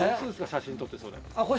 写真撮ってそれ。